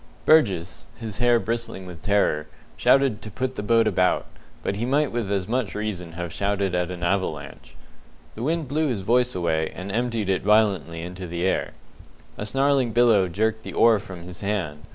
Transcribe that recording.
Burgess his hair bristling with terror shouted to put the boat about, but he might with as much reason have shouted at an avalanche. The wind blew his voice away, and emptied it violently into the air. A snarling billow jerked the oar from his hand.